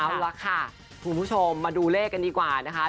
เอาละค่ะคุณผู้ชมมาดูเลขกันดีกว่านะคะ